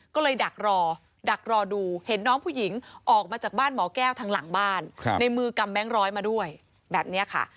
ก็เลยดักรอดักรอดูเห็นน้องผู้หญิงออกมาจากบ้านหมอแก้วทางหลังบ้านในมือกำแบงค์ร้อยมาด้วยแบบนี้ค่ะ